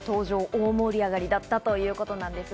大盛り上がりだったということです。